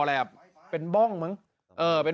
สาธุ